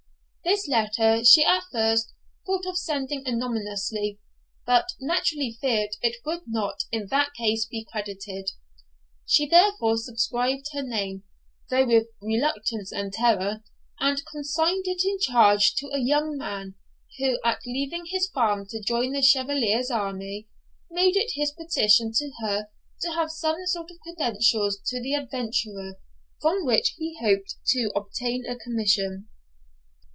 This letter she at first thought of sending anonymously, but naturally feared it would not in that case be credited. She therefore subscribed her name, though with reluctance and terror, and consigned it in charge to a young man, who at leaving his farm to join the Chevalier's army, made it his petition to her to have some sort of credentials to the adventurer, from whom he hoped to obtain a commission.